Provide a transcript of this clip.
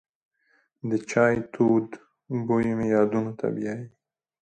د چای تود بوی مې یادونو ته بیایي.